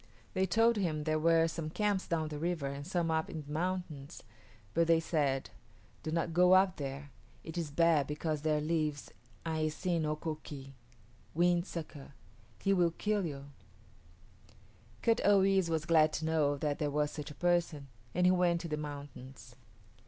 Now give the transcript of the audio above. They told him there were some camps down the river and some up in the mountains, but they said, "Do not go up there. It is bad because there lives [=A]i s[=i]n´ o k[=o] k[=i] Wind Sucker. He will kill you." Kut o yis´ was glad to know that there was such a person, and he went to the mountains.